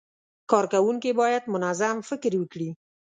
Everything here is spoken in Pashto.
کارکوونکي باید منظم فکر وکړي.